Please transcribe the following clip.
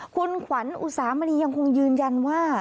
คุณขวัญอุสามณียังคงยืนยันว่า